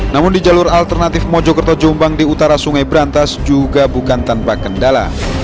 namun di jalur alternatif mojokerto jombang di utara sungai berantas juga bukan tanpa kendala